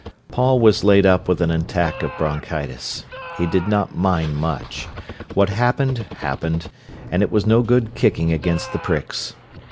Paul was laid up with an attack of bronchitis. He did not mind much. What happened happened, and it was no good kicking against the pricks.